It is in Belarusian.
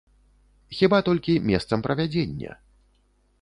Хіба толькі месцам правядзення.